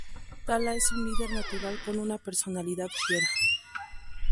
Tala es un líder natural con una personalidad fiera.